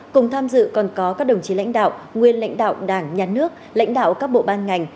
cùng tham dự còn có các đồng chí lãnh đạo nguyên lãnh đạo đảng nhà nước lãnh đạo các bộ ban ngành